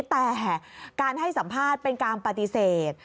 แต่การให้สัมภาษณ์เป็นการปฏิเสธ